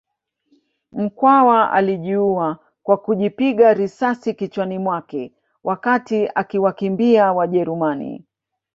Mkwawa alijiua kwa kujipiga risasi kichwani mwake wakati akiwakimbia Wajerumani